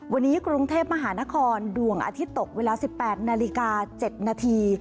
วันนี้กรุงเทพมหานครดวงอาทิตย์ตกเวลา๑๘นาฬิกา๗นาที